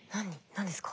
何ですか？